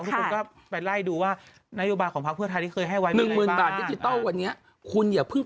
ทุกคนก็ไปไล่ดูว่านายกของพระพระเภอที่เคยให้ไว้มีอะไรบ้าง